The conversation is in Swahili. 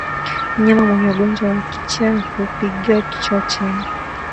Mnyama mwenye ugonjwa wa kichaa hupigiza kichwa chini